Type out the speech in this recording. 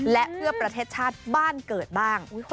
และเพื่อประเทศชาติบ้านเกิดบ้าง